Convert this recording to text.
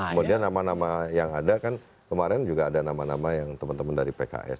kemudian nama nama yang ada kan kemarin juga ada nama nama yang teman teman dari pks